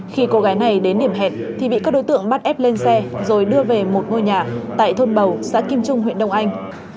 khi cô gái này đến điểm hẹn thì bị các đối tượng bắt ép lên xe rồi đưa về một ngôi nhà tại thôn bầu xã kim trung huyện đông anh